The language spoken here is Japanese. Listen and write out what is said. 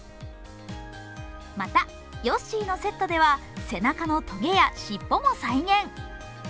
また、ヨッシーのセットでは背中のとげや尻尾も再現。